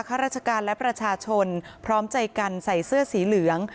ข้าราชการและประชาชนพร้อมใจกันใส่เสื้อสีเหลือง